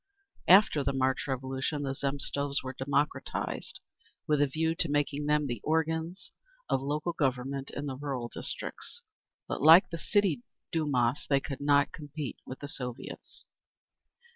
After the March Revolution the Zemstvos were democratized, with a view to making them the organs of local government in the rural districts. But like the City Dumas, they could not compete with the _Soviets.